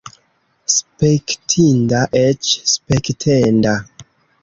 Spektinda, eĉ spektenda!